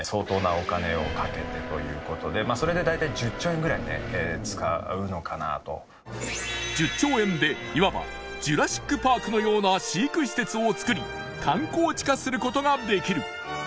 さらに１０兆円でいわばジュラシックパークのような飼育施設をつくり観光地化することができる